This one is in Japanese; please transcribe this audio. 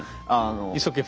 一生懸命。